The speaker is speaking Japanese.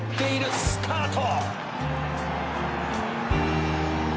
「スタート！」